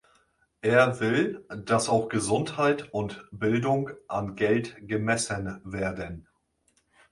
Er will, dass auch Gesundheit und Bildung an Geld gemessen werden.